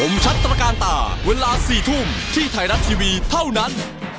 อาทิตย์ที่๒๐ธันวาคมสู้สีไทยฮาวภาค๑